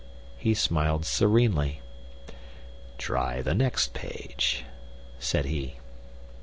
He smiled serenely. "Try the next page," said he.